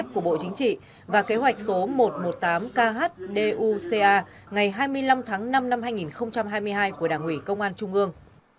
của bộ chính trị và kế hoạch số một trăm một mươi tám khduca ngày hai mươi năm tháng năm năm hai nghìn hai mươi hai của đảng ủy công an trung ương